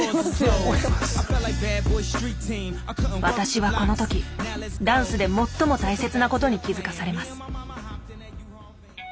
私はこの時ダンスで最も大切なことに気付かされます。